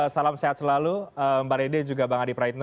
salam sehat selalu mbak dede dan juga bang adi praitno